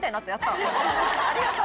ありがとう。